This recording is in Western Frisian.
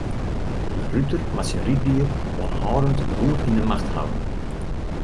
In ruter moat syn ryddier oanhâldend goed yn 'e macht hawwe.